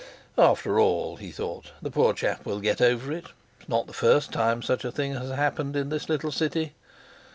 "After all," he thought, "the poor chap will get over it; not the first time such a thing has happened in this little city!"